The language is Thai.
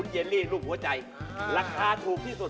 เยลลี่รูปหัวใจราคาถูกที่สุด